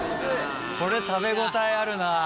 これ食べ応えあるな。